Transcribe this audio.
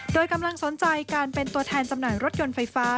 โดยกำลังสนใจการเป็นตัวแทนจำหน่ายรถยนต์ไฟฟ้า